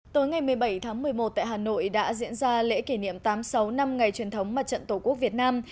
tối ngày một mươi bảy tháng một mươi một tại hà nội đã diễn ra lễ kỷ niệm tám mươi sáu năm ngày truyền thống mặt trận tổ quốc việt nam